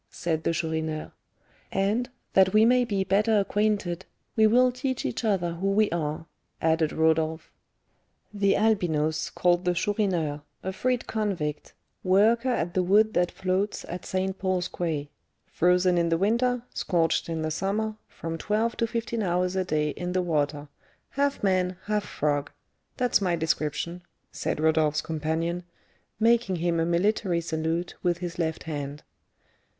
said the Chourineur. "And, that we may be better acquainted, we will tell each other who we are," added Rodolph. "The Albinos called the Chourineur a freed convict, worker at the wood that floats at St. Paul's Quay; frozen in the winter, scorched in the summer, from twelve to fifteen hours a day in the water; half man, half frog; that's my description," said Rodolph's companion, making him a military salute with his left hand.